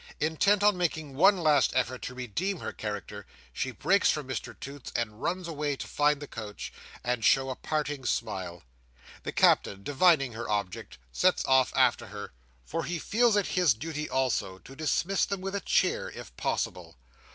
Intent on making one last effort to redeem her character, she breaks from Mr Toots and runs away to find the coach, and show a parting smile. The Captain, divining her object, sets off after her; for he feels it his duty also to dismiss them with a cheer, if possible.